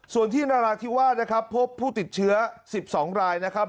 ส่วนที่นราธิวาสนะครับพบผู้ติดเชื้อ๑๒รายนะครับ